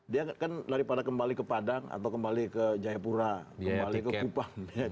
dia kan daripada kembali ke padang atau kembali ke jayapura kembali ke kupang